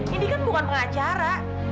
indi kan bukan pengacara